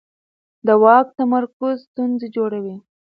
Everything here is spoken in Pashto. د واک تمرکز ستونزې جوړوي